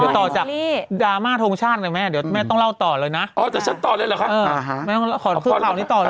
ต่อจากดราม่าโทงชาติไงแม่เดี๋ยวแม่ต้องเล่าต่อเลยนะอ๋อแต่ฉันต่อเลยเหรอครับ